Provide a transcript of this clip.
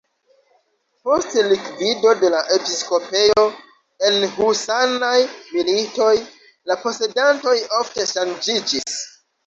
Post likvido de la episkopejo en husanaj militoj la posedantoj ofte ŝanĝiĝis.